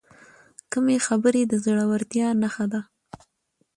کمې خبرې، د زړورتیا نښه ده.